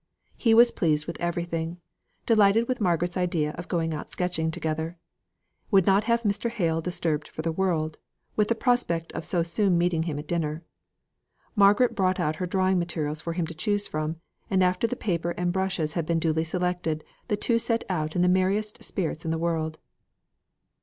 He was pleased with everything; delighted with Margaret's idea of going out sketching together; would not have Mr. Hale disturbed for the world, with the prospect of so soon meeting him at dinner. Margaret brought out her drawing materials for him to choose from; and after the paper and brushes had been duly selected, the two set out in the merriest spirits in the world.